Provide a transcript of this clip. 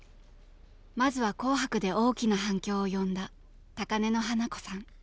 まずは「紅白」で大きな反響を呼んだ「高嶺の花子さん」